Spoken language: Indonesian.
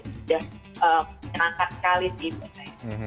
sudah menyenangkan sekali sih